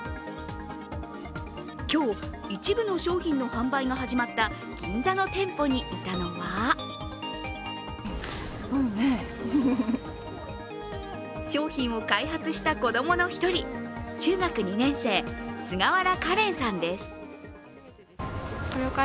今日、一部の商品の販売が始まった銀座の店舗にいたのは商品を開発した子供の１人、中学２年生菅原香連さんです。